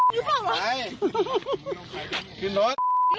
ยึกว่าดีหรือเปล่าหวะ